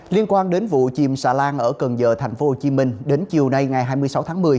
liên quan đến vụ chìm xà lan ở cần giờ tp hcm đến chiều nay ngày hai mươi sáu tháng một mươi